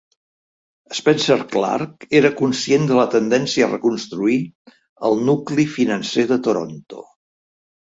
Spencer Clark era conscient de la tendència a reconstruir el nucli financer de Toronto.